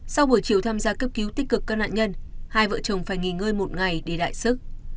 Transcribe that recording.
sau buổi chiều tham gia cấp cứu tích cực các nạn nhân hai vợ chồng phải nghỉ ngơi một ngày đi lại sức